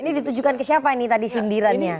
ini ditujukan ke siapa ini tadi sindirannya